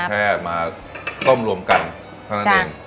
แค่มาต้มรวมกันเท่านั้นเอง